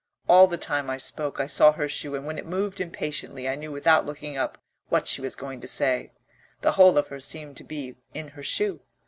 All the time I spoke I saw her shoe and when it moved impatiently I knew without looking up what she was going to say: the whole of her seemed to be in her shoe.